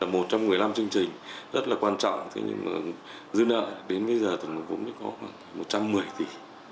một trong một mươi năm chương trình rất là quan trọng nhưng mà dư nợ đến bây giờ tổng nguồn vốn có khoảng một trăm một mươi tỷ